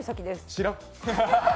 知らん。